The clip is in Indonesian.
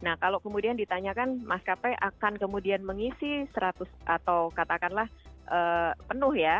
nah kalau kemudian ditanyakan maskapai akan kemudian mengisi seratus atau katakanlah penuh ya